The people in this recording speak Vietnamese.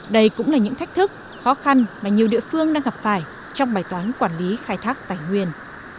đây cũng là những thách thức khó khăn mà nhiều địa phương đang gặp phải trong bài toán quản lý khai thác tài nguyên